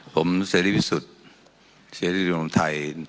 ผมเสร็จรีวิสุทธิ์เสร็จรีวิสุทธิ์ธรรมไทย